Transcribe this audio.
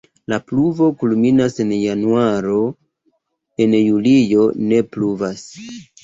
La pluvo kulminas en januaro, en julio ne pluvas.